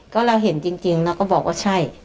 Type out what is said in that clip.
ก็เราเห็นจริงเราก็บอกว่าใช่